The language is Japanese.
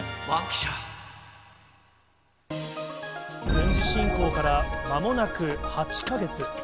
軍事侵攻から、まもなく８か月。